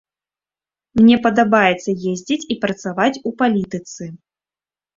Мне падабаецца ездзіць і працаваць у палітыцы.